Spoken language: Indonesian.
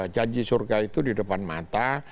janji surga itu di depan mata